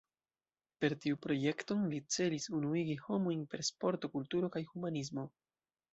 Per tiu projekton, li celis “Unuigi homojn per Sporto, Kulturo kaj Humanismo“.